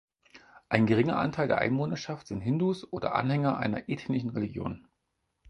Ein geringer Anteil der Einwohnerschaft sind Hindus oder Anhänger einer Ethnischen Religion.